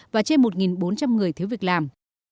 và trên một bốn trăm linh người thiếu việc làm